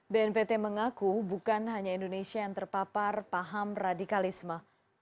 bnpt mengaku bukan hanya indonesia yang terpapar paham radikalisme